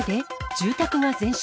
住宅が全焼。